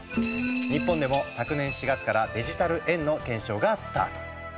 日本でも昨年４月からデジタル円の検証がスタート。